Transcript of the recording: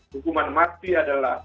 hukuman mati adalah